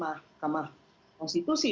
dan pengujian hukum itu dilakukan oleh dpr